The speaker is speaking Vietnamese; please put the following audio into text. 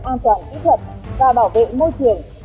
an toàn kỹ thuật và bảo vệ môi trường